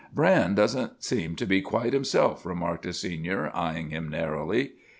"'Bran doesn't seem to be quite himself!' remarked a Senior, eying him narrowly.